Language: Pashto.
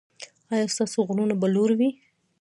ایا ستاسو غرونه به لوړ وي؟